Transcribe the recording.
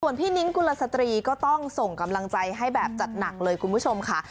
พี่นิ้งกุลสตรีก็ต้องส่งกำลังใจให้แบบจัดหนักเลยคุณผู้ชมค่ะ